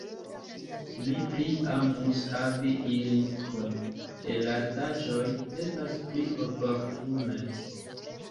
Mi pli amus havi ilin kun elastaĵoj, estas pli oportune.